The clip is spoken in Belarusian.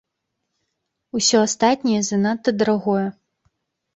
Усё астатняе занадта дарагое.